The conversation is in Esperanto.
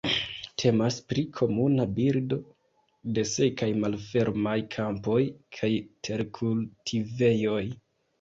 Temas pri komuna birdo de sekaj malfermaj kampoj kaj terkultivejoj.